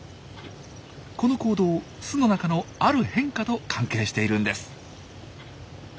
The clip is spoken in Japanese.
この行動巣の中のある変化と関係しているんです。